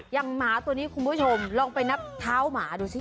หมาตัวนี้คุณผู้ชมลองไปนับเท้าหมาดูสิ